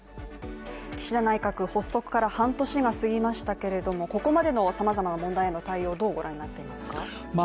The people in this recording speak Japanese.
岸田内閣、発足から半年が過ぎましたけれども、ここまでのさまざまな問題への対応、どう御覧になっていますか？